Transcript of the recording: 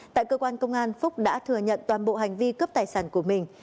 tại cơ quan công an phúc đã thừa nhận toàn bộ hành vi cướp tài sản của mình